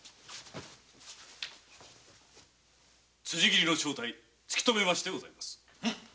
辻斬りの正体突きとめましてございます。